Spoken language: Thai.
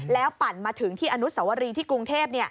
แล้วปั่นมาถึงที่อนุสวรีที่กรุงเทพ